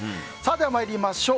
参りましょう。